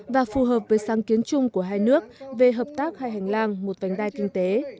và phù hợp với sáng kiến chung của hai nước về hợp tác hai hành lang một vành đai kinh tế